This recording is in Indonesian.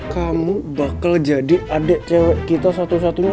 kamu bakal jadi adik cewek kita satu satunya